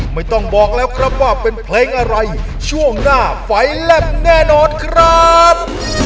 ไม่ต้องบอกแล้วครับว่าเป็นเพลงอะไรช่วงหน้าไฟแลบแน่นอนครับ